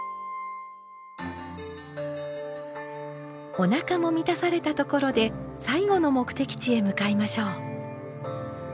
おなかも満たされたところで最後の目的地へ向かいましょう。